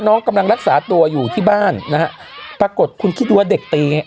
น้องกำลังรักษาตัวอยู่ที่บ้านนะฮะปรากฏคุณคิดดูว่าเด็กตีไง